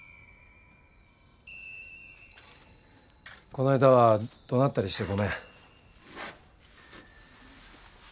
この間は怒鳴ったりしてごめん。